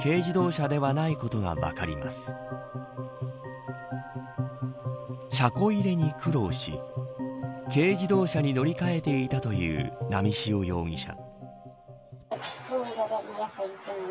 車庫入れに苦労し軽自動車に乗り換えていたという波汐容疑者。